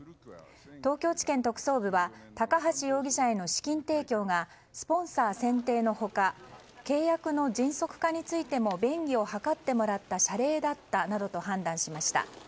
東京地検特捜部は高橋容疑者への資金提供がスポンサー選定の他契約の迅速化についても便宜を図ってもらった謝礼だったなどと判断しました。